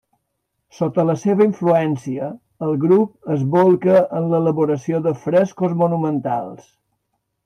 Sota la seva influència, el grup es bolca en l'elaboració de frescos monumentals.